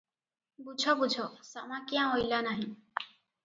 ବୁଝ ବୁଝ ଶାମା କ୍ୟାଁ ଅଇଲା ନାହିଁ ।